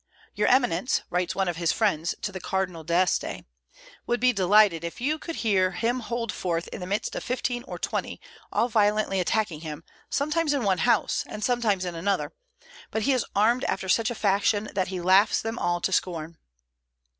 "Your Eminence," writes one of his friends to the Cardinal D'Este, "would be delighted if you could hear him hold forth in the midst of fifteen or twenty, all violently attacking him, sometimes in one house, and sometimes in another; but he is armed after such a fashion that he laughs them all to scorn."